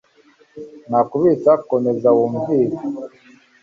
Nta kubitsa komeza wumvire